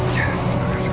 ya terima kasih pak